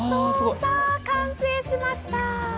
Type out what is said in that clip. さぁ、完成しました。